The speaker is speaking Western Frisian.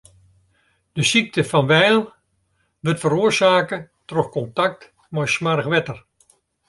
De sykte fan Weil wurdt feroarsake troch kontakt mei smoarch wetter.